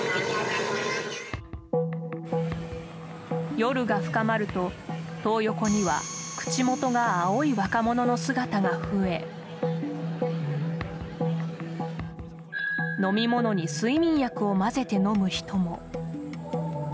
夜が深まると、トー横には口元が青い若者の姿が増え飲み物に睡眠薬を混ぜて飲む人も。